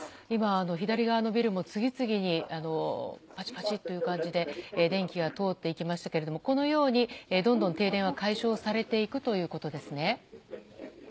今、左側のビルも次々にパチパチという感じで電気が通っていきましたがこのように、どんどん解消されていくということですね。